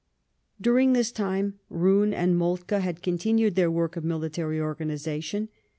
During this time, Roon and Moltke had continued their work of military organization.